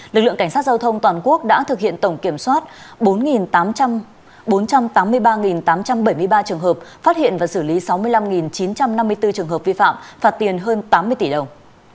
lực lượng cảnh sát giao thông toàn quốc đã thực hiện tổng kiểm soát bốn trăm tám mươi ba tám trăm bảy mươi ba trường hợp phát hiện và xử lý sáu mươi năm chín trăm năm mươi bốn trường hợp vi phạm phạt tiền hơn tám mươi tỷ đồng